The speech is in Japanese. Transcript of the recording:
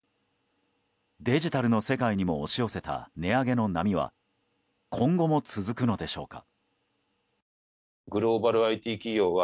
デジタルの世界にも押し寄せた値上げの波は今後も続くのでしょうか。